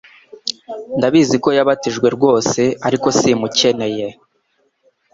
ndabizi ko yabatijwe rwose ariko simukeneye